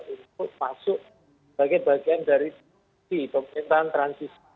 untuk masuk sebagai bagian dari di pemerintahan transisional